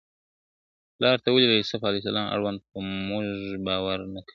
پلاره ته ولي د يوسف عليه السلام اړوند په موږ باور نکوې؟